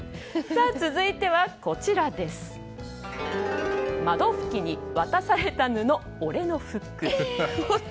続いては「窓拭きに渡された布俺の服」。